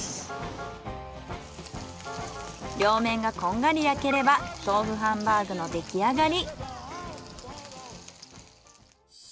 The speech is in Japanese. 両面がこんがり焼ければ豆腐ハンバーグの出来上がり。